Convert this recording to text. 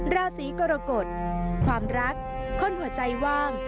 ราศีกรกฎความรักคนหัวใจว่าง